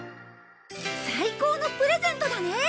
最高のプレゼントだね！